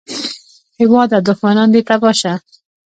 هېواده دوښمنان دې تباه شه